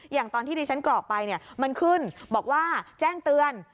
อย่างที่ดิฉันกรอกไปมันขึ้นบอกว่าแจ้งเตือน